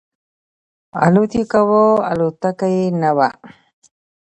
الوت یې کاو الوتکه یې نه وه.